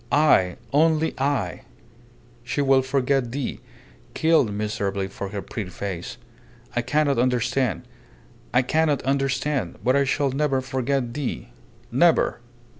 "I! Only I! She will forget thee, killed miserably for her pretty face. I cannot understand. I cannot understand. But I shall never forget thee. Never!"